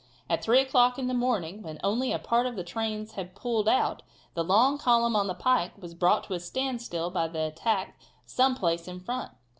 At 3 o'clock in the morning, when only a part of the trains had pulled out, the long column on the pike was brought to a standstill by an attack some place in front.